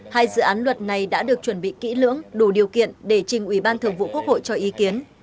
hai dự án luật này đã được chuẩn bị kỹ lưỡng đủ điều kiện để trình ủy ban thường vụ quốc hội cho ý kiến